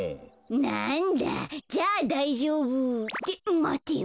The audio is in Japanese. なんだじゃあだいじょうぶ！ってまてよ。